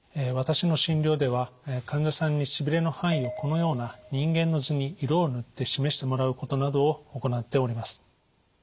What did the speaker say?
私の診療では患者さんにしびれの範囲をこのような人間の図に色を塗って示してもらうことなどを行っております。